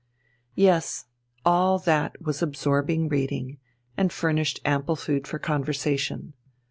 Yes, all that was absorbing reading, and furnished ample food for conversation.